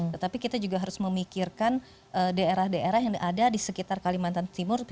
tetapi kita juga harus memikirkan daerah daerah yang ada di sekitar kalimantan timur